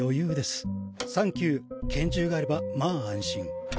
拳銃があればまあ安心。